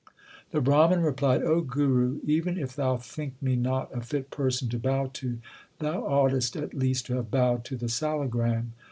2 The Brahman replied, O Guru, even if thou think me not a fit person to bow to, thou oughtest at least to have bowed to the salagram.